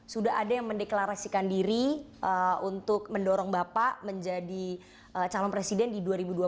sudah ada yang mendeklarasikan diri untuk mendorong bapak menjadi calon presiden di dua ribu dua puluh